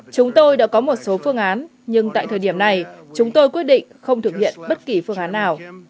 chúng tôi đã có một số phương án nhưng tại thời điểm này chúng tôi quyết định không thực hiện bất kỳ phương án nào